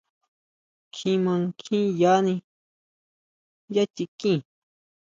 Kjima kjín yani yá chiquin.